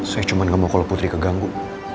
saya cuma gak mau kalo putri keganggu